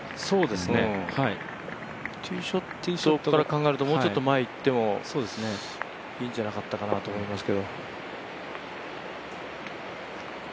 ティーショットから考えるともうちょっと前行ってもいいんじゃないかなと思いました。